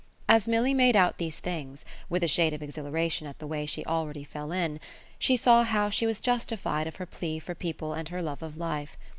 As Milly made out these things with a shade of exhilaration at the way she already fell in she saw how she was justified of her plea for people and her love of life.